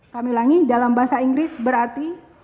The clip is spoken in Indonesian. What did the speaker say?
kami ulangi dalam bahasa inggris berarti